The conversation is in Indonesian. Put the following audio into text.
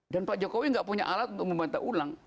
pak jokowi nggak punya alat untuk membantah ulang